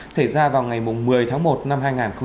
sẽ ra vào ngày một mươi tháng một năm hai nghìn hai mươi hai